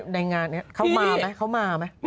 ในงานนี้เขามาไหมเขามาไหม